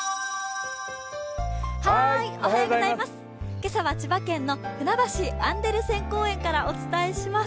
今朝は千葉県のふなばしアンデルセン公園からお伝えします。